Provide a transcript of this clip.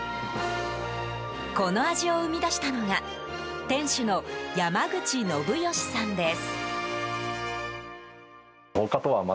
この味を生み出したのが店主の山口信吉さんです。